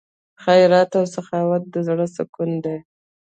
خیرات او سخاوت د زړه سکون دی.